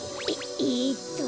ええっと